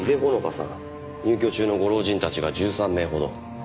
入居中のご老人たちが１３名ほど。